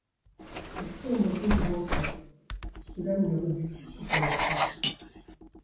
Elle semble un peu misanthrope, cela ne le rebute cependant pas.